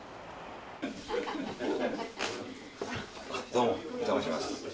どうもお邪魔します。